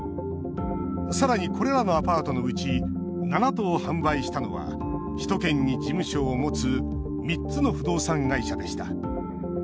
さらに、これらのアパートのうち７棟を販売したのは首都圏に事務所を持つ３つの不動産会社でした。